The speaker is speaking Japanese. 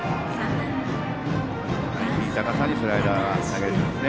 いい高さにスライダー投げれていますね。